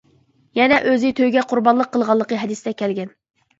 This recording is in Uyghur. يەنە ئۆزى تۆگە قۇربانلىق قىلغانلىقى ھەدىستە كەلگەن.